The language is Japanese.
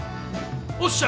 おっしゃ！